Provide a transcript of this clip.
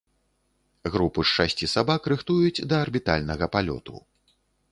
Групу з шасці сабак рыхтуюць да арбітальнага палёту.